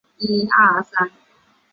所属官员按照明朝土官的制度承袭。